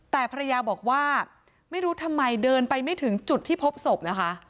แต่ภรรยาบอกว่าไม่รู้ทำไมเดินไปไม่ถึงจุดที่พบศพนะคะ